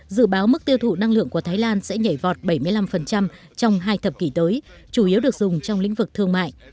dự báo mức tiêu thụ năng lượng của thái lan sẽ nhảy vọt bảy mươi năm trong hai thập kỷ tới chủ yếu được dùng trong lĩnh vực thương mại